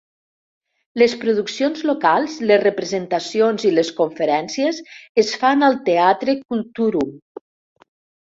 Les produccions locals, les representacions i les conferències es fan al teatre Kulturum.